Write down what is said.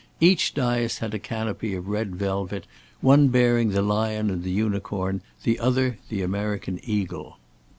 Each daïs had a canopy of red velvet, one bearing the Lion and the Unicorn, the other the American Eagle.